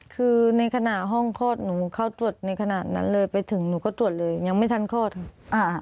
คือในขณะห้องคลอดหนูเข้าตรวจในขณะนั้นเลยไปถึงหนูก็ตรวจเลยยังไม่ทันคลอดค่ะ